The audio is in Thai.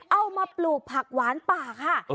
เอามาปลูกผักหวานป่าค่ะ